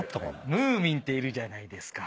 ムーミンっているじゃないですか。